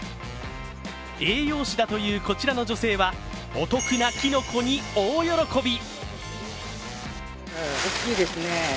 栄養士だというこちらの女性は、お得なきのこに大喜び。